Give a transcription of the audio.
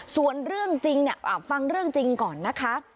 ส่วนเรื่องจริงฟังเรื่องจริงก่อนนะคะ